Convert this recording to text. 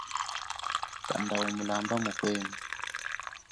Kanda umulamba mukwenu.